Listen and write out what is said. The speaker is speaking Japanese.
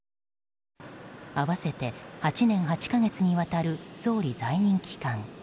合わせて８年８か月にわたる総理在任期間。